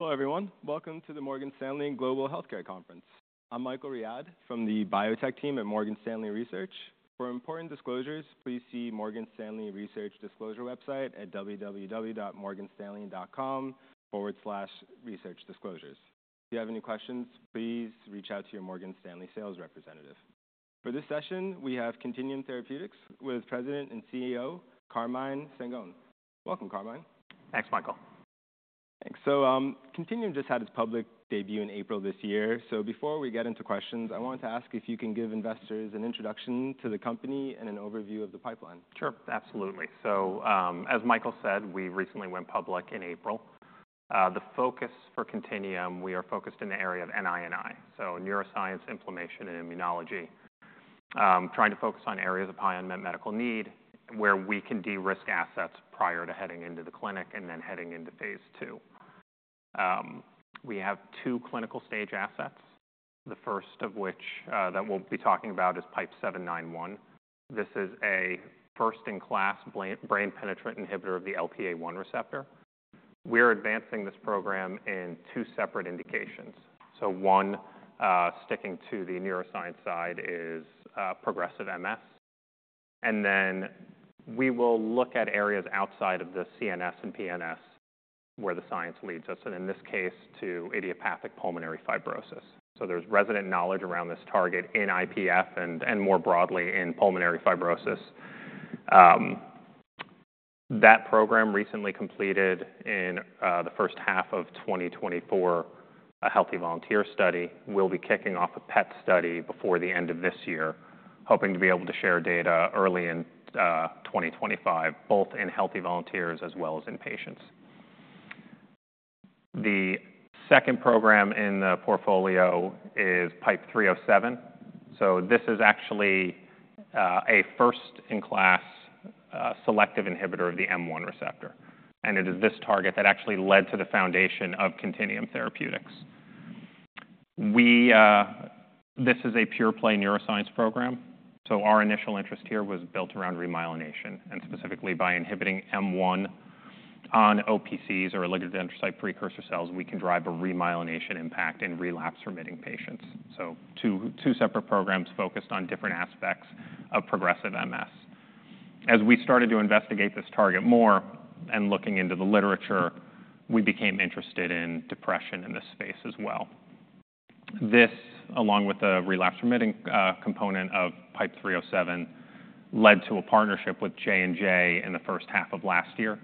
Hello, everyone. Welcome to the Morgan Stanley Global Healthcare Conference. I'm Michael Riad from the biotech team at Morgan Stanley Research. For important disclosures, please see Morgan Stanley Research Disclosure website at www.morganstanley.com/researchdisclosures. If you have any questions, please reach out to your Morgan Stanley sales representative. For this session, we have Contineum Therapeutics with President and CEO, Carmine Stengone. Welcome, Carmine. Thanks, Michael. Thanks. So, Contineum just had its public debut in April this year. So before we get into questions, I wanted to ask if you can give investors an introduction to the company and an overview of the pipeline. Sure, absolutely. So, as Michael said, we recently went public in April. The focus for Contineum, we are focused in the area of NI&I, so neuroscience, inflammation, and immunology. Trying to focus on areas of high unmet medical need, where we can de-risk assets prior to heading into the clinic and then heading into phase II. We have two clinical stage assets, the first of which that we'll be talking about is PIPE-791. This is a first-in-class brain-penetrant inhibitor of the LPA1 receptor. We're advancing this program in two separate indications. So one, sticking to the neuroscience side is progressive MS, and then we will look at areas outside of the CNS and PNS, where the science leads us, and in this case, to idiopathic pulmonary fibrosis. There's resident knowledge around this target in IPF and more broadly in pulmonary fibrosis. That program recently completed in the first half of 2024, a healthy volunteer study. We'll be kicking off a PET study before the end of this year, hoping to be able to share data early in 2025, both in healthy volunteers as well as in patients. The second program in the portfolio is PIPE-307. So this is actually a first-in-class selective inhibitor of the M1 receptor, and it is this target that actually led to the foundation of Contineum Therapeutics. This is a pure play neuroscience program, so our initial interest here was built around remyelination, and specifically by inhibiting M1 on OPCs or oligodendrocyte precursor cells, we can drive a remyelination impact in relapsing-remitting patients. So two separate programs focused on different aspects of progressive MS. As we started to investigate this target more and looking into the literature, we became interested in depression in this space as well. This, along with the relapsing-remitting component of PIPE-307, led to a partnership with J&J in the first half of last year.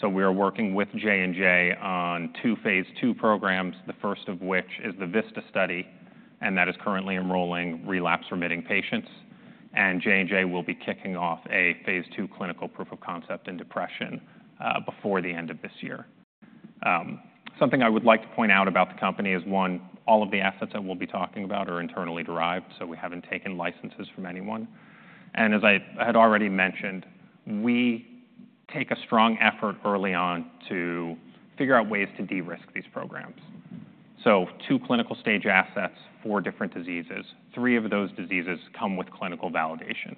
So we are working with J&J on two phase II programs, the first of which is the VISTA study, and that is currently enrolling relapsing-remitting patients. And J&J will be kicking off a phase II clinical proof of concept in depression before the end of this year. Something I would like to point out about the company is one, all of the assets that we'll be talking about are internally derived, so we haven't taken licenses from anyone. As I had already mentioned, we take a strong effort early on to figure out ways to de-risk these programs. Two clinical stage assets, four different diseases. Three of those diseases come with clinical validation.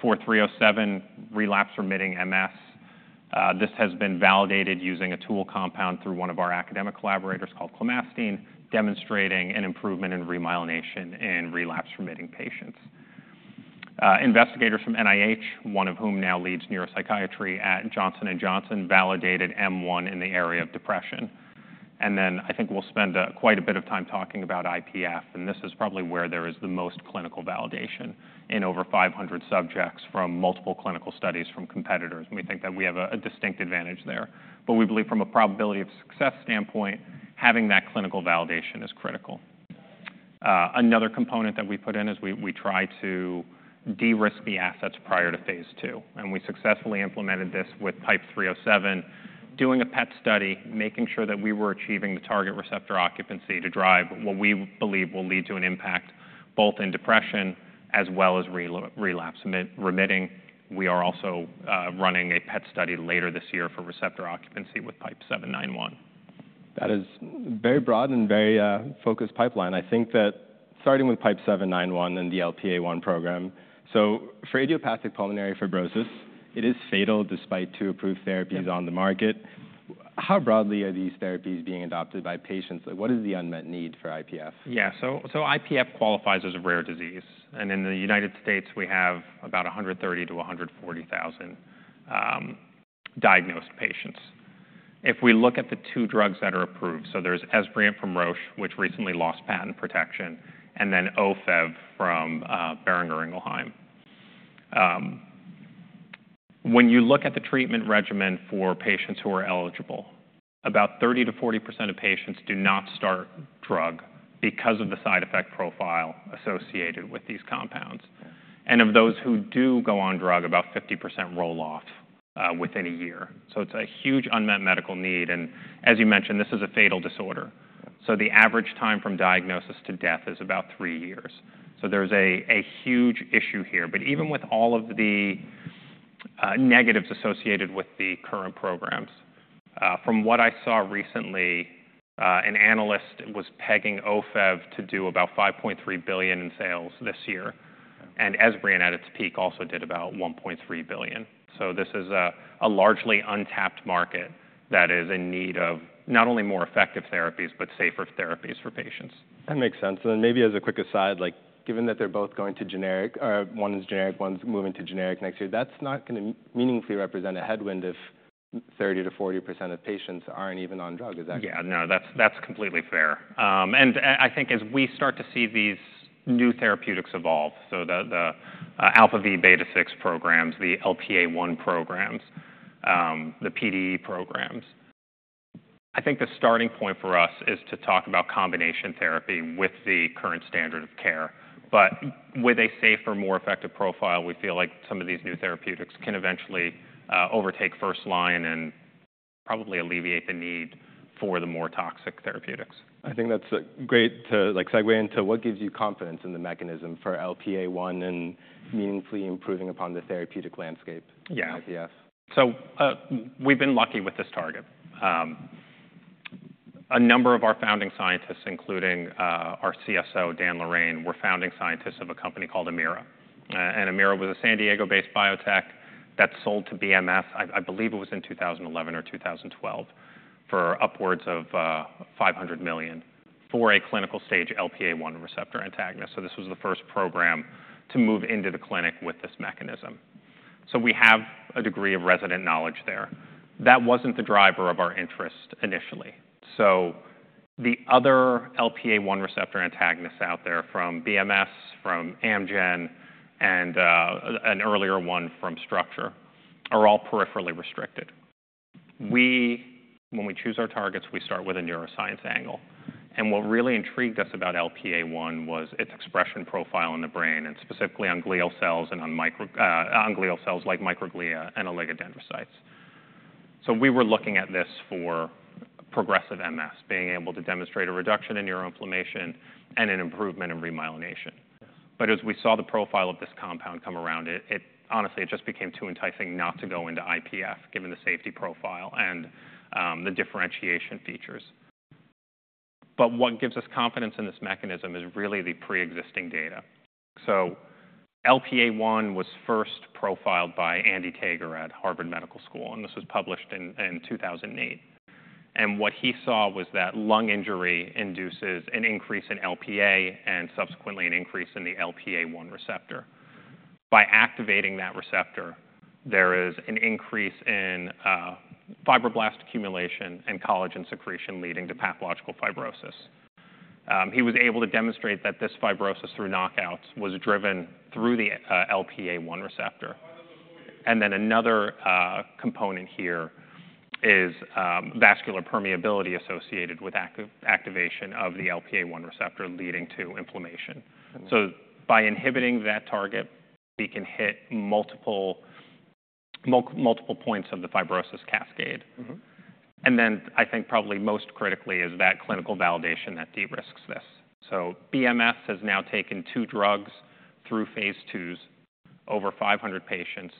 For 307, relapse-remitting MS, this has been validated using a tool compound through one of our academic collaborators called clemastine, demonstrating an improvement in remyelination in relapse-remitting patients. Investigators from NIH, one of whom now leads neuropsychiatry at Johnson & Johnson, validated M1 in the area of depression. Then I think we'll spend quite a bit of time talking about IPF, and this is probably where there is the most clinical validation in over 500 subjects from multiple clinical studies from competitors, and we think that we have a distinct advantage there. But we believe from a probability of success standpoint, having that clinical validation is critical. Another component that we put in is we try to de-risk the assets prior to phase II, and we successfully implemented this with PIPE-307, doing a PET study, making sure that we were achieving the target receptor occupancy to drive what we believe will lead to an impact both in depression as well as relapse-remitting. We are also running a PET study later this year for receptor occupancy with PIPE-791. That is very broad and very, focused pipeline. I think that starting with PIPE-791 and the LPA1 program, so for idiopathic pulmonary fibrosis, it is fatal despite two approved therapies on the market. How broadly are these therapies being adopted by patients? What is the unmet need for IPF? Yeah. So, so IPF qualifies as a rare disease, and in the United States, we have about 130,000-140,000 diagnosed patients. If we look at the two drugs that are approved, so there's Esbriet from Roche, which recently lost patent protection, and then Ofev from Boehringer Ingelheim. When you look at the treatment regimen for patients who are eligible, about 30%-40% of patients do not start drug because of the side effect profile associated with these compounds. And of those who do go on drug, about 50% roll off, within a year. So it's a huge unmet medical need, and as you mentioned, this is a fatal disorder. So the average time from diagnosis to death is about three years. So there's a huge issue here. But even with all of the negatives associated with the current programs, from what I saw recently, an analyst was pegging Ofev to do about $5.3 billion in sales this year, and Esbriet at its peak also did about $1.3 billion. So this is a largely untapped market that is in need of not only more effective therapies, but safer therapies for patients. That makes sense. And then maybe as a quick aside, like, given that they're both going to generic, or one is generic, one's moving to generic next year, that's not gonna meaningfully represent a headwind if 30%-40% of patients aren't even on drug, is that- Yeah, no, that's completely fair, and I think as we start to see these new therapeutics evolve, so the αvβ6 programs, the LPA1 programs, the PDE programs, I think the starting point for us is to talk about combination therapy with the current standard of care, but with a safer, more effective profile, we feel like some of these new therapeutics can eventually overtake first line and probably alleviate the need for the more toxic therapeutics. I think that's a great way to, like, segue into what gives you confidence in the mechanism for LPA1 and meaningfully improving upon the therapeutic landscape? Yeah - IPF? We've been lucky with this target. A number of our founding scientists, including our CSO, Dan Lorrain, were founding scientists of a company called Amira. And Amira was a San Diego-based biotech that sold to BMS. I believe it was in 2011 or 2012, for upwards of $500 million for a clinical stage LPA1 receptor antagonist. So this was the first program to move into the clinic with this mechanism. So we have a degree of resident knowledge there. That wasn't the driver of our interest initially. So the other LPA1 receptor antagonists out there, from BMS, from Amgen, and an earlier one from Structure, are all peripherally restricted. When we choose our targets, we start with a neuroscience angle, and what really intrigued us about LPA1 was its expression profile in the brain, and specifically on glial cells like microglia and oligodendrocytes. So we were looking at this for progressive MS, being able to demonstrate a reduction in neuroinflammation and an improvement in remyelination. But as we saw the profile of this compound come around, honestly, it just became too enticing not to go into IPF, given the safety profile and the differentiation features. But what gives us confidence in this mechanism is really the preexisting data. So LPA1 was first profiled by Andrew Tager at Harvard Medical School, and this was published in 2008. And what he saw was that lung injury induces an increase in LPA and subsequently an increase in the LPA1 receptor. By activating that receptor, there is an increase in fibroblast accumulation and collagen secretion, leading to pathological fibrosis. He was able to demonstrate that this fibrosis, through knockouts, was driven through the LPA1 receptor. And then another component here is vascular permeability associated with activation of the LPA1 receptor, leading to inflammation. Mm-hmm. So by inhibiting that target, we can hit multiple points of the fibrosis cascade. Mm-hmm. And then I think probably most critically is that clinical validation that de-risks this. So BMS has now taken two drugs through phase IIs, over 500 patients,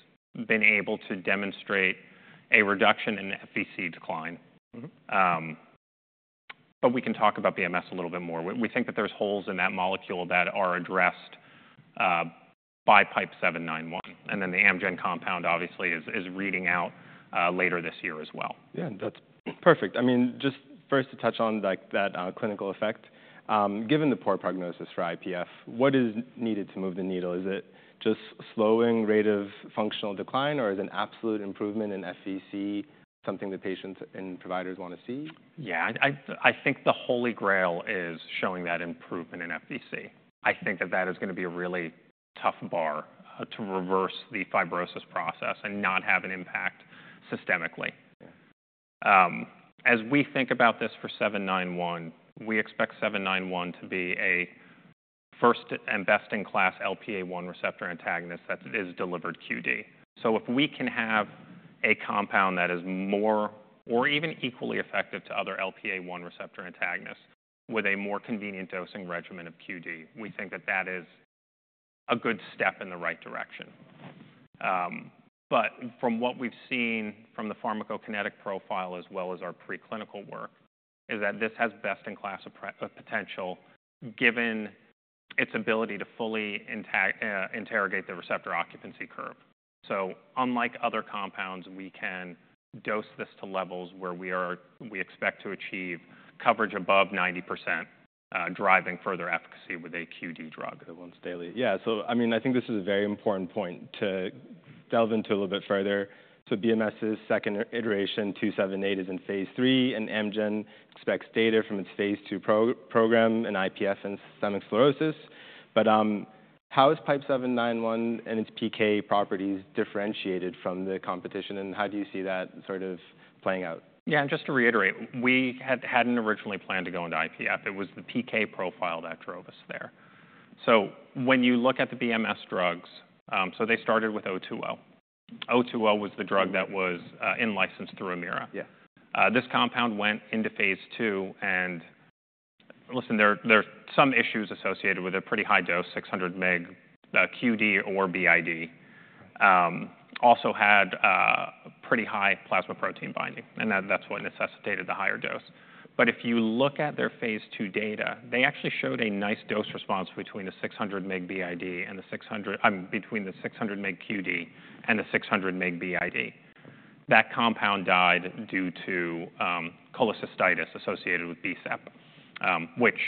been able to demonstrate a reduction in FVC decline. Mm-hmm. But we can talk about BMS a little bit more. We think that there's holes in that molecule that are addressed by PIPE-791, and then the Amgen compound obviously is reading out later this year as well. Yeah, that's perfect. I mean, just first to touch on, like, that clinical effect, given the poor prognosis for IPF, what is needed to move the needle? Is it just slowing rate of functional decline, or is an absolute improvement in FVC something that patients and providers want to see? Yeah, I think the holy grail is showing that improvement in FVC. I think that is gonna be a really tough bar to reverse the fibrosis process and not have an impact systemically. As we think about this for PIPE-791, we expect PIPE-791 to be a first and best-in-class LPA1 receptor antagonist that is delivered QD. So if we can have a compound that is more or even equally effective to other LPA1 receptor antagonists with a more convenient dosing regimen of QD, we think that that is a good step in the right direction. But from what we've seen from the pharmacokinetic profile, as well as our preclinical work, is that this has best-in-class potential, given its ability to fully interrogate the receptor occupancy curve. So unlike other compounds, we can dose this to levels where we expect to achieve coverage above 90%, driving further efficacy with a QD drug. The once daily. Yeah, so I mean, I think this is a very important point to delve into a little bit further. So BMS's second iteration, 278, is in phase III, and Amgen expects data from its phase II program in IPF and systemic sclerosis. But how is PIPE-791 and its PK properties differentiated from the competition, and how do you see that sort of playing out? Yeah, and just to reiterate, we hadn't originally planned to go into IPF. It was the PK profile that drove us there. So when you look at the BMS drugs, so they started with 020. 020 was the drug that was in license through Amira. Yeah. This compound went into phase II. There are some issues associated with a pretty high dose, 600 mg, QD or BID. Also had pretty high plasma protein binding, and that's what necessitated the higher dose. But if you look at their phase II data, they actually showed a nice dose response between the 600 mg QD and the 600 mg BID. That compound died due to cholestasis associated with BSEP, which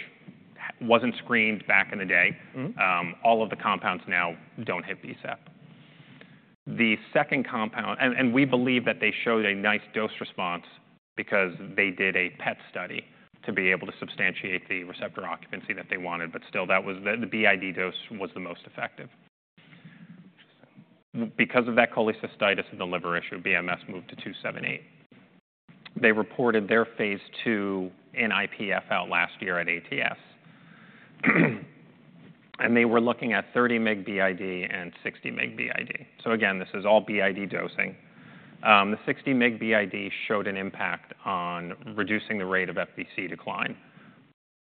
wasn't screened back in the day. Mm-hmm. All of the compounds now don't hit BSEP. The second compound... And we believe that they showed a nice dose response because they did a PET study to be able to substantiate the receptor occupancy that they wanted, but still, that was the BID dose was the most effective. Because of that cholestasis and the liver issue, BMS moved to 278. They reported their phase II in IPF out last year at ATS. And they were looking at 30 mg BID and 60 mg BID. So again, this is all BID dosing. The 60 mg BID showed an impact on reducing the rate of FVC decline,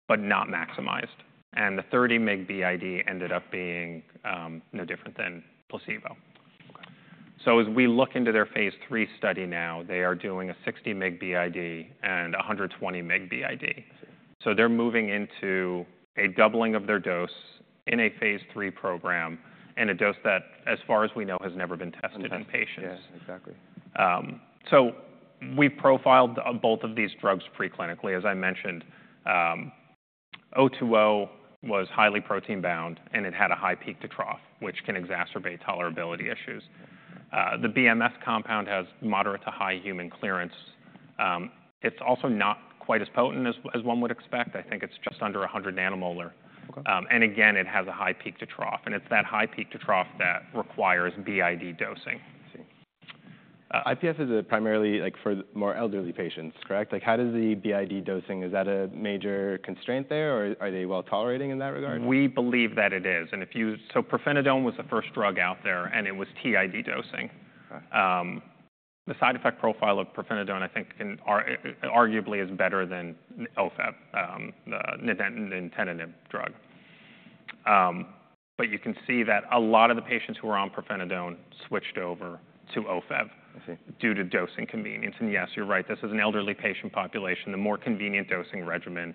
but not maximized, and the 30 mg BID ended up being no different than placebo. Okay. So as we look into their phase III study now, they are doing a 60 mg BID and a 120 mg BID. I see. So they're moving into a doubling of their dose in a phase III program, and a dose that, as far as we know, has never been tested in patients. Yes, exactly. So we profiled both of these drugs preclinically. As I mentioned, 020 was highly protein bound, and it had a high peak to trough, which can exacerbate tolerability issues. The BMS compound has moderate to high human clearance. It's also not quite as potent as one would expect. I think it's just under a hundred nanomolar. Okay. And again, it has a high peak to trough, and it's that high peak to trough that requires BID dosing. I see. IPF is a primarily, like, for more elderly patients, correct? Like, how does the BID dosing... Is that a major constraint there, or are they well-tolerating in that regard? We believe that it is. So pirfenidone was the first drug out there, and it was TID dosing. Okay. The side effect profile of pirfenidone, I think, arguably is better than Ofev, the nintedanib drug. But you can see that a lot of the patients who are on pirfenidone switched over to Ofev- I see. Due to dosing convenience. And yes, you're right, this is an elderly patient population. The more convenient dosing regimen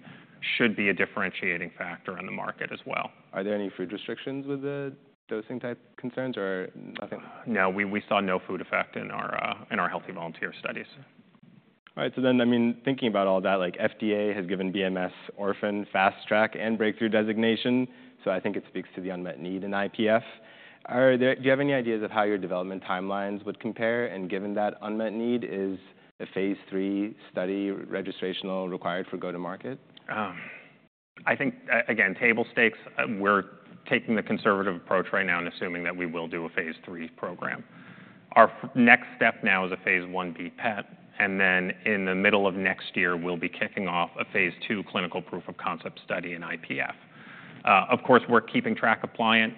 should be a differentiating factor on the market as well. Are there any food restrictions with the dosing type concerns or nothing? No, we saw no food effect in our healthy volunteer studies. All right, so then, I mean, thinking about all that, like, FDA has given BMS orphan fast track and breakthrough designation, so I think it speaks to the unmet need in IPF. Do you have any ideas of how your development timelines would compare? And given that unmet need, is the phase III study registrational required for go-to-market? I think, again, table stakes, we're taking the conservative approach right now and assuming that we will do a phase III program. Our next step now is a phase I-B PET, and then in the middle of next year, we'll be kicking off a phase II clinical proof of concept study in IPF. Of course, we're keeping track of Pliant.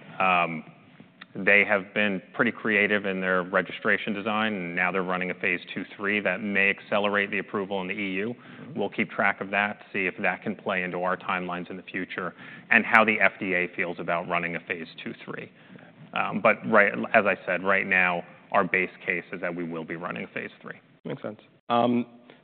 They have been pretty creative in their registration design, and now they're running a phase II/III that may accelerate the approval in the EU. Mm-hmm. We'll keep track of that, see if that can play into our timelines in the future and how the FDA feels about running a phase II, III. Okay. As I said, right now, our base case is that we will be running phase III. Makes sense.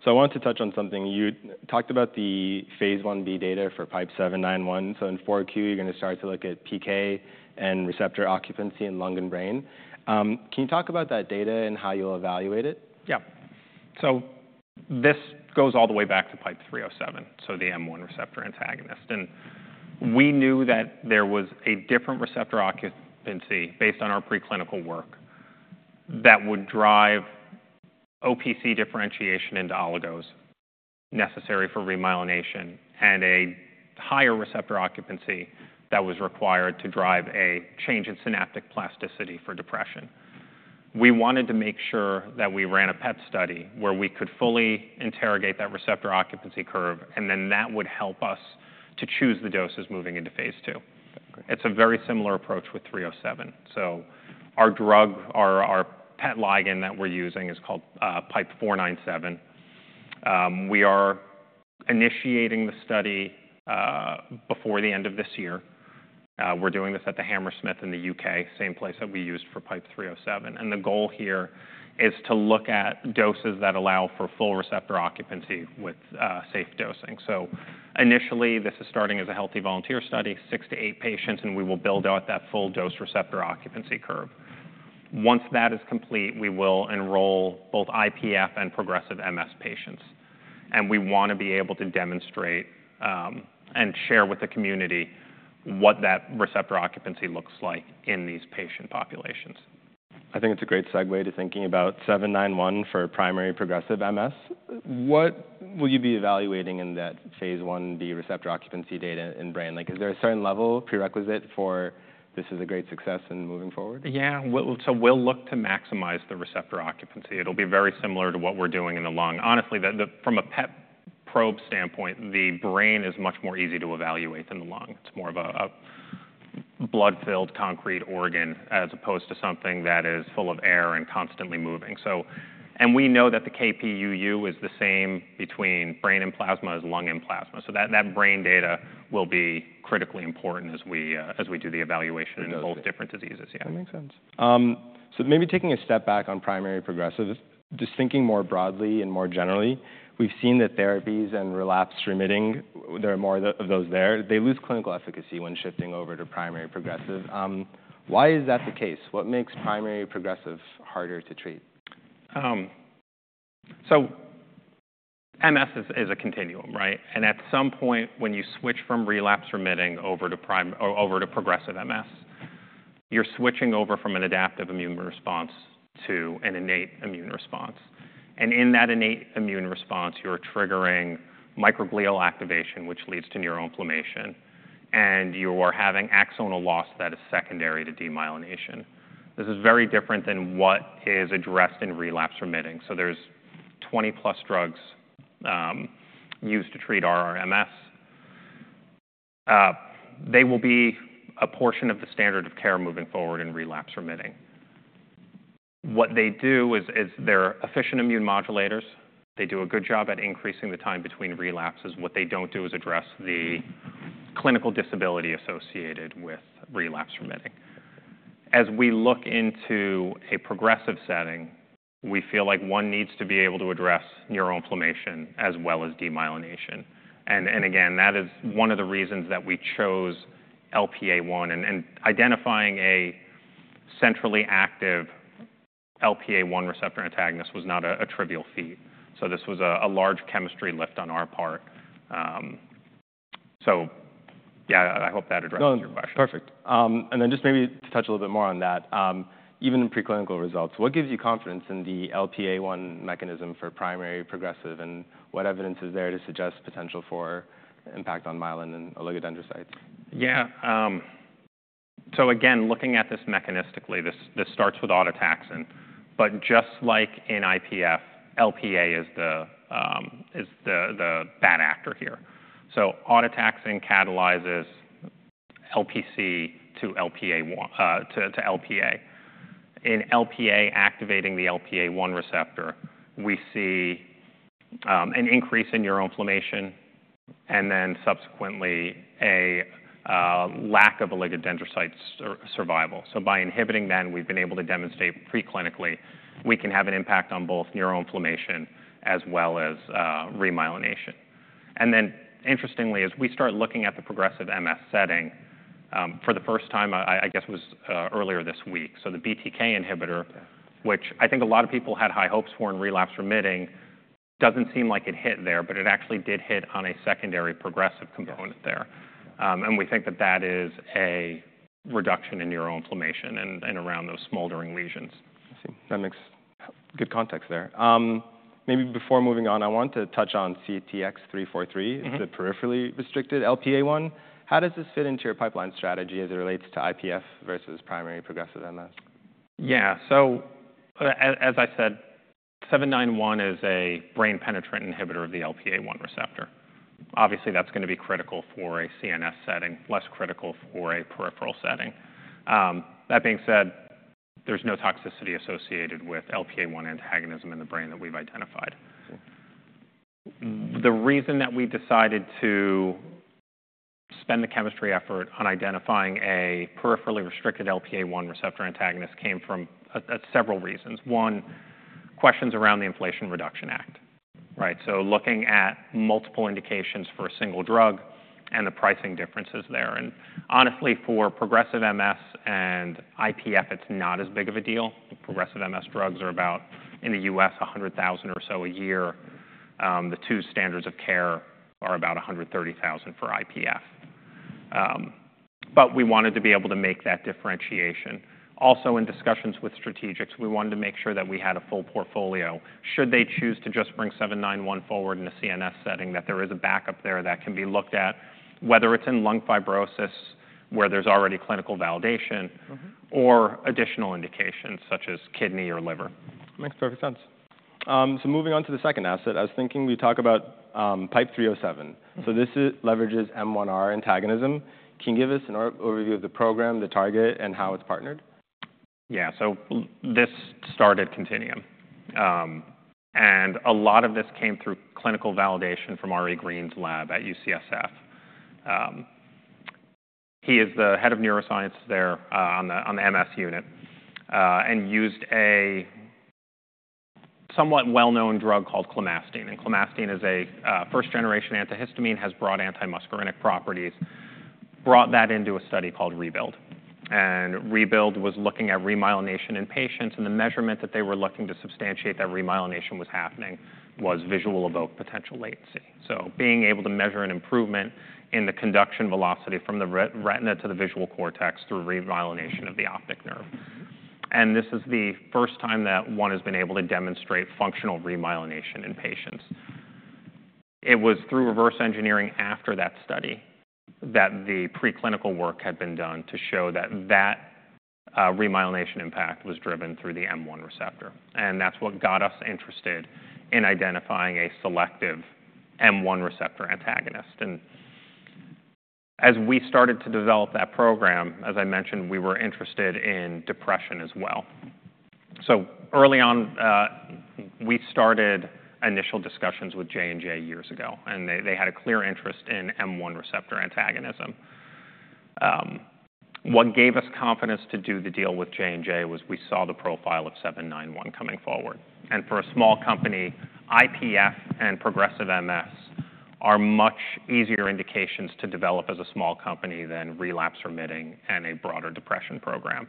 So I wanted to touch on something. You talked about the phase I-B data for PIPE-791. So in Q4, you're gonna start to look at PK and receptor occupancy in lung and brain. Can you talk about that data and how you'll evaluate it? Yeah, so this goes all the way back to PIPE-307, so the M1 receptor antagonist, and we knew that there was a different receptor occupancy based on our preclinical work, that would drive OPC differentiation into oligos necessary for remyelination, and a higher receptor occupancy that was required to drive a change in synaptic plasticity for depression. We wanted to make sure that we ran a PET study where we could fully interrogate that receptor occupancy curve, and then that would help us to choose the doses moving into phase II. Okay. It's a very similar approach with PIPE-307. So our drug, our PET ligand that we're using is called PIPE-497. We are initiating the study before the end of this year. We're doing this at the Hammersmith in the U.K., same place that we used for PIPE-307. And the goal here is to look at doses that allow for full receptor occupancy with safe dosing. So initially, this is starting as a healthy volunteer study, 6-8 patients, and we will build out that full dose receptor occupancy curve. Once that is complete, we will enroll both IPF and progressive MS patients, and we wanna be able to demonstrate and share with the community what that receptor occupancy looks like in these patient populations. I think it's a great segue to thinking about seven nine one for primary progressive MS. What will you be evaluating in that phase Ia, the receptor occupancy data in brain? Like, is there a certain level prerequisite for this is a great success in moving forward? Yeah. So we'll look to maximize the receptor occupancy. It'll be very similar to what we're doing in the lung. Honestly, from a PET probe standpoint, the brain is much more easy to evaluate than the lung. It's more of a blood-filled concrete organ, as opposed to something that is full of air and constantly moving. We know that the Kp,uu is the same between brain and plasma as lung and plasma. So that brain data will be critically important as we do the evaluation in both different diseases. Yeah. That makes sense. So maybe taking a step back on primary progressive, just thinking more broadly and more generally, we've seen that therapies in relapse-remitting, there are more of those there. They lose clinical efficacy when shifting over to primary progressive. Why is that the case? What makes primary progressive harder to treat? So MS is a continuum, right? And at some point, when you switch from relapsing-remitting over to progressive MS, you're switching over from an adaptive immune response to an innate immune response. And in that innate immune response, you're triggering microglial activation, which leads to neuroinflammation, and you are having axonal loss that is secondary to demyelination. This is very different than what is addressed in relapsing-remitting. So there's 20+ drugs used to treat RRMS. They will be a portion of the standard of care moving forward in relapsing-remitting. What they do is they're efficient immune modulators. They do a good job at increasing the time between relapses. What they don't do is address the clinical disability associated with relapsing-remitting. As we look into a progressive setting, we feel like one needs to be able to address neuroinflammation as well as demyelination. And again, that is one of the reasons that we chose LPA1. And identifying a centrally active LPA1 receptor antagonist was not a trivial feat, so this was a large chemistry lift on our part. So yeah, I hope that addresses your question. No, perfect, and then just maybe to touch a little bit more on that, even in preclinical results, what gives you confidence in the LPA1 mechanism for primary progressive, and what evidence is there to suggest potential for impact on myelin and oligodendrocytes? Yeah, so again, looking at this mechanistically, this starts with autotaxin, but just like in IPF, LPA is the bad actor here. So autotaxin catalyzes LPC to LPA1 to LPA. In LPA activating the LPA1 receptor, we see an increase in neuroinflammation and then subsequently a lack of oligodendrocyte survival. So by inhibiting that, we've been able to demonstrate preclinically, we can have an impact on both neuroinflammation as well as remyelination. And then interestingly, as we start looking at the progressive MS setting, for the first time, I guess it was earlier this week. So the BTK inhibitor- Yeah... which I think a lot of people had high hopes for in relapse-remitting, doesn't seem like it hit there, but it actually did hit on a secondary-progressive component there and we think that that is a reduction in neuroinflammation and around those smoldering lesions. I see. That makes good context there. Maybe before moving on, I want to touch on CTx-343- Mm-hmm... the peripherally restricted LPA1. How does this fit into your pipeline strategy as it relates to IPF versus primary progressive MS? Yeah. So as I said, PIPE-791 is a brain-penetrant inhibitor of the LPA1 receptor. Obviously, that's gonna be critical for a CNS setting, less critical for a peripheral setting. That being said, there's no toxicity associated with LPA1 antagonism in the brain that we've identified. The reason that we decided to spend the chemistry effort on identifying a peripherally restricted LPA1 receptor antagonist came from several reasons. One, questions around the Inflation Reduction Act, right? So looking at multiple indications for a single drug and the pricing differences there. And honestly, for progressive MS and IPF, it's not as big of a deal. Progressive MS drugs are about $100,000 or so a year in the U.S. The two standards of care are about $130,000 for IPF. But we wanted to be able to make that differentiation. Also, in discussions with strategics, we wanted to make sure that we had a full portfolio, should they choose to just bring PIPE-791 forward in a CNS setting, that there is a backup there that can be looked at, whether it's in lung fibrosis, where there's already clinical validation or additional indications, such as kidney or liver. Makes perfect sense. So moving on to the second asset, I was thinking we talk about PIPE-307. Mm-hmm. This leverages M1R antagonism. Can you give us an overview of the program, the target, and how it's partnered? Yeah. So this started Contineum. And a lot of this came through clinical validation from Ari Green's lab at UCSF. He is the head of neuroscience there, on the MS unit, and used a somewhat well-known drug called clemastine, and clemastine is a first-generation antihistamine, has broad antimuscarinic properties, brought that into a study called ReBUILD. And ReBUILD was looking at remyelination in patients, and the measurement that they were looking to substantiate that remyelination was happening was visual evoked potential latency. So being able to measure an improvement in the conduction velocity from the retina to the visual cortex through remyelination of the optic nerve. And this is the first time that one has been able to demonstrate functional remyelination in patients. It was through reverse engineering after that study that the preclinical work had been done to show that remyelination impact was driven through the M1 receptor, and that's what got us interested in identifying a selective M1 receptor antagonist. And as we started to develop that program, as I mentioned, we were interested in depression as well. So early on, we started initial discussions with J&J years ago, and they had a clear interest in M1 receptor antagonism. What gave us confidence to do the deal with J&J was we saw the profile of 791 coming forward. And for a small company, IPF and progressive MS are much easier indications to develop as a small company than relapse remitting and a broader depression program.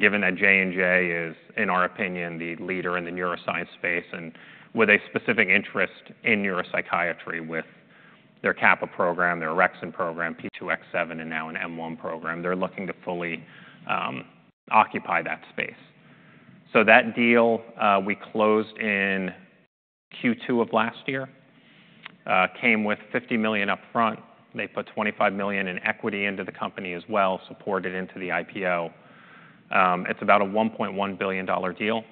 Given that J&J is, in our opinion, the leader in the neuroscience space, and with a specific interest in neuropsychiatry with their Kappa program, their Orexin program, P2X7, and now an M1 program, they're looking to fully occupy that space. So that deal we closed in Q2 of last year came with $50 million upfront. They put $25 million in equity into the company as well, supported into the IPO. It's about a $1.1 billion deal.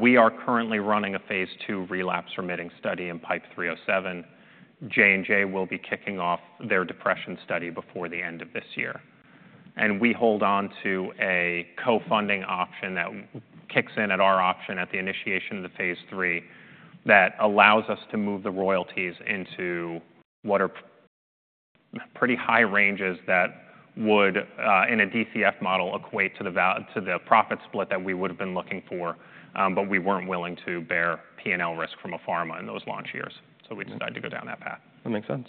We are currently running a phase II relapse-remitting study in PIPE-307. J&J will be kicking off their depression study before the end of this year. And we hold on to a co-funding option that kicks in at our option at the initiation of the phase III, that allows us to move the royalties into what are pretty high ranges that would, in a DCF model, equate to the value to the profit split that we would've been looking for, but we weren't willing to bear P&L risk from a pharma in those launch years. So we decided to go down that path. That makes sense.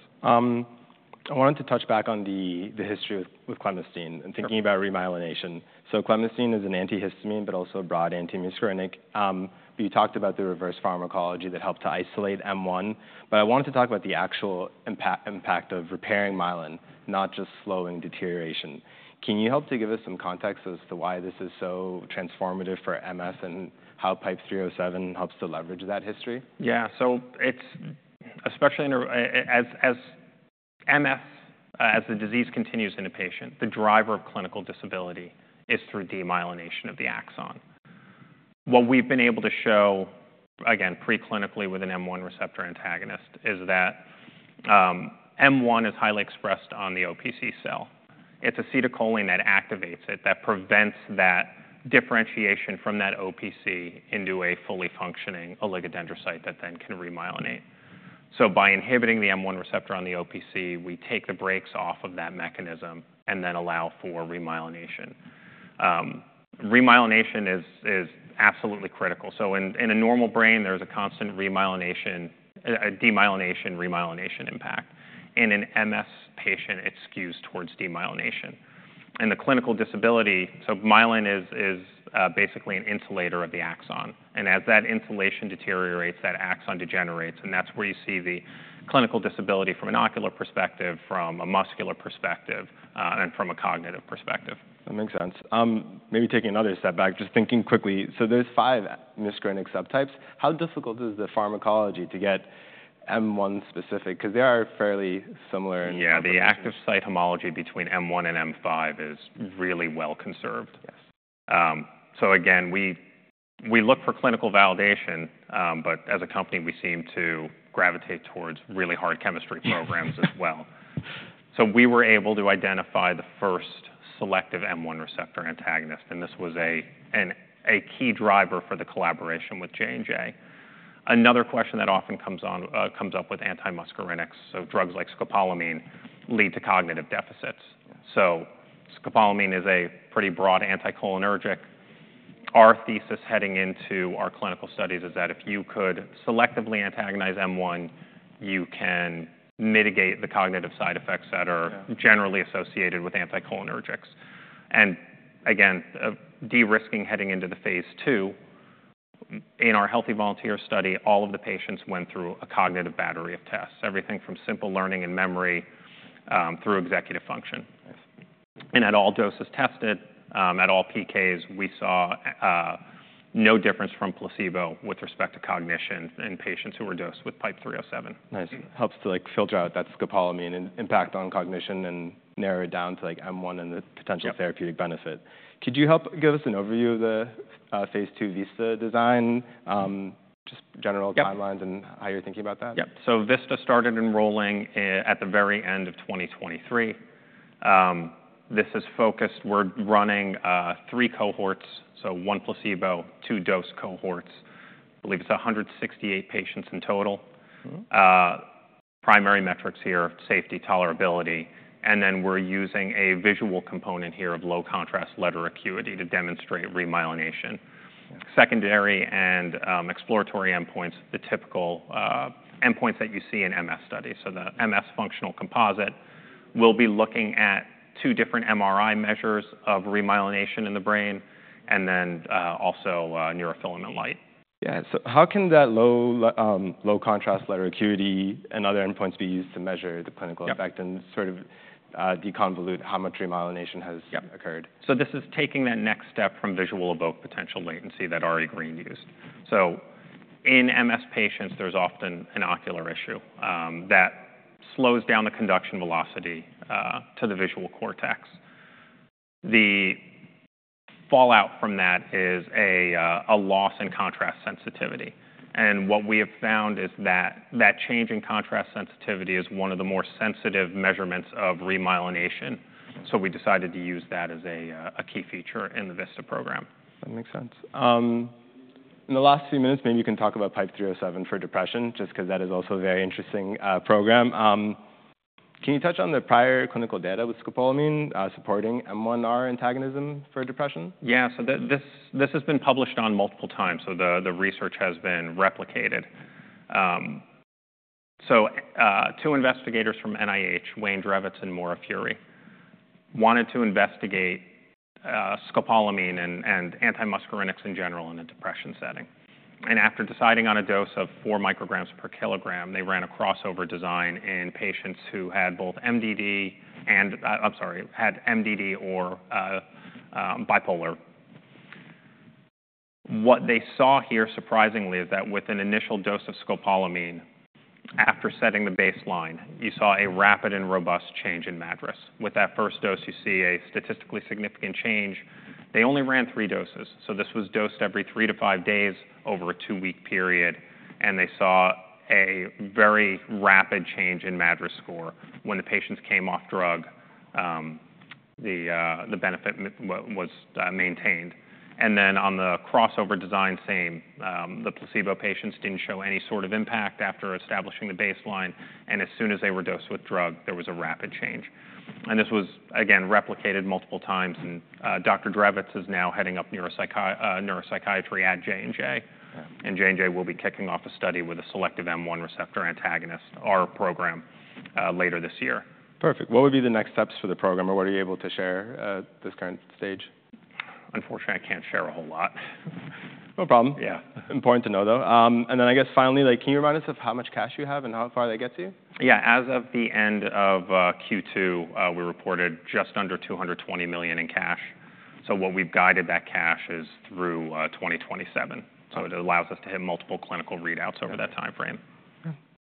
I wanted to touch back on the history with Clemastine- Sure. And thinking about remyelination, so clemastine is an antihistamine, but also a broad antimuscarinic, but you talked about the reverse pharmacology that helped to isolate M1, but I wanted to talk about the actual impact of repairing myelin, not just slowing deterioration. Can you help to give us some context as to why this is so transformative for MS, and how PIPE-307 helps to leverage that history? Yeah. So it's especially in MS as the disease continues in a patient, the driver of clinical disability is through demyelination of the axon. What we've been able to show, again, preclinically with an M1 receptor antagonist, is that M1 is highly expressed on the OPC cell. It's acetylcholine that activates it, that prevents that differentiation from that OPC into a fully functioning oligodendrocyte that then can remyelinate. So by inhibiting the M1 receptor on the OPC, we take the brakes off of that mechanism and then allow for remyelination. Remyelination is absolutely critical. So in a normal brain, there's a constant remyelination, demyelination, remyelination impact. In an MS patient, it skews towards demyelination. The clinical disability. So myelin is basically an insulator of the axon, and as that insulation deteriorates, that axon degenerates, and that's where you see the clinical disability from an ocular perspective, from a muscular perspective, and from a cognitive perspective. That makes sense. Maybe taking another step back, just thinking quickly: so there's five muscarinic subtypes. How difficult is the pharmacology to get M1 specific? Because they are fairly similar in- Yeah, the active site homology between M1 and M5 is really well conserved. So again, we look for clinical validation, but as a company, we seem to gravitate towards really hard chemistry programs as well. So we were able to identify the first selective M1 receptor antagonist, and this was a key driver for the collaboration with J&J. Another question that often comes up with antimuscarinics, so drugs like scopolamine, lead to cognitive deficits. So scopolamine is a pretty broad anticholinergic. Our thesis heading into our clinical studies is that if you could selectively antagonize M1, you can mitigate the cognitive side effects that are generally associated with anticholinergics, and again, de-risking heading into the phase II, in our healthy volunteer study, all of the patients went through a cognitive battery of tests, everything from simple learning and memory, through executive function. Yes. At all doses tested, at all PKs, we saw no difference from placebo with respect to cognition in patients who were dosed with PIPE-307. Nice. Helps to, like, filter out that scopolamine and impact on cognition and narrow it down to, like, M1 and the potential therapeutic benefit. Could you help give us an overview of the phase II VISTA design? Just general timelines and how you're thinking about that. Yep. So VISTA started enrolling at the very end of 2023. This is focused. We're running three cohorts, so one placebo, two dose cohorts. I believe it's 168 patients in total. Primary metrics here, safety, tolerability, and then we're using a visual component here of low contrast letter acuity to demonstrate remyelination. Yeah. Secondary and exploratory endpoints, the typical endpoints that you see in MS studies. So the MS functional composite will be looking at two different MRI measures of remyelination in the brain, and then also neurofilament light. Yeah. So how can that low contrast letter acuity and other endpoints be used to measure the clinical effect and sort of, deconvolute how much remyelination has occurred? So this is taking that next step from visual evoked potential latency that Ari Green used. In MS patients, there's often an ocular issue that slows down the conduction velocity to the visual cortex. The fallout from that is a loss in contrast sensitivity, and what we have found is that change in contrast sensitivity is one of the more sensitive measurements of remyelination. So we decided to use that as a key feature in the VISTA program. That makes sense. In the last few minutes, maybe you can talk about PIPE-307 for depression, just 'cause that is also a very interesting program. Can you touch on the prior clinical data with scopolamine supporting M1R antagonism for depression? Yeah. So this has been published on multiple times, so the research has been replicated. So two investigators from NIH, Wayne Drevets and Maura Furey, wanted to investigate scopolamine and antimuscarinics in general in a depression setting. And after deciding on a dose of four micrograms per kilogram, they ran a crossover design in patients who had both MDD and... I'm sorry, had MDD or bipolar. What they saw here, surprisingly, is that with an initial dose of scopolamine, after setting the baseline, you saw a rapid and robust change in MADRS. With that first dose, you see a statistically significant change. They only ran three doses, so this was dosed every three to five days over a two-week period, and they saw a very rapid change in MADRS score. When the patients came off drug, the benefit was maintained. And then on the crossover design, same. The placebo patients didn't show any sort of impact after establishing the baseline, and as soon as they were dosed with drug, there was a rapid change. And this was, again, replicated multiple times, and Dr. Drevets is now heading up neuropsychiatry at J&J. Yeah. J&J will be kicking off a study with a selective M1 receptor antagonist, our program, later this year. Perfect. What would be the next steps for the program, or what are you able to share at this current stage? Unfortunately, I can't share a whole lot. No problem. Yeah. Important to know, though, and then I guess, finally, like, can you remind us of how much cash you have and how far that gets you? Yeah. As of the end of Q2, we reported just under $220 million in cash. So what we've guided that cash is through 2027. So it allows us to hit multiple clinical readouts. Yeahover that timeframe.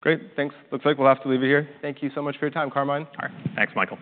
Great. Thanks. Looks like we'll have to leave it here. Thank you so much for your time, Carmine. All right. Thanks, Michael.